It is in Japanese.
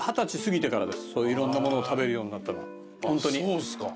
そうっすか。